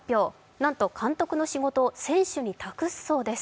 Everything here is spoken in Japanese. なんと監督の仕事を選手に託すそうです。